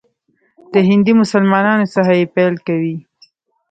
د هندي مسلمانانو څخه یې پیل کوي.